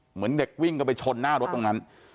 เหมือนเด็กวิ่งกันไปชนหน้ารถตรงนั้น